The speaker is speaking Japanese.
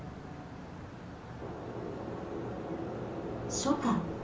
初夏。